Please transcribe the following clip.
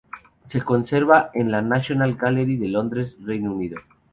Se conserva en la National Gallery de Londres, Reino Unido.